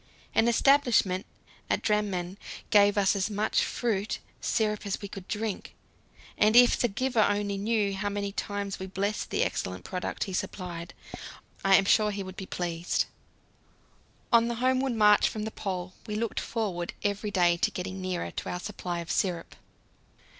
An establishment at Drammen gave us as much fruit syrup as we could drink, and if the giver only knew how many times we blessed the excellent product he supplied, I am sure he would be pleased. On the homeward march from the Pole we looked forward every day to getting nearer to our supply of syrup.